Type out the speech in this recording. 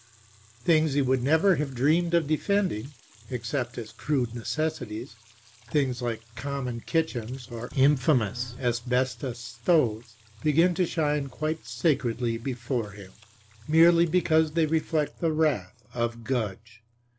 Things he would never have dreamed of defending, except as crude necessities, things like common kitchens or infamous asbestos stoves, begin to shine quite sacredly before him, merely because they reflect the wrath of Gudge.